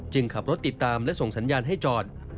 ขับรถติดตามและส่งสัญญาณให้จอด